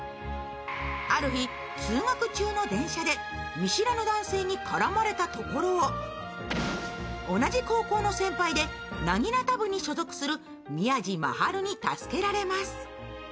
ある日、通学中の電車で見知らぬ男性から絡まれたところを同じ高校の先輩でなぎなた部に所属する宮路真春に助けられます。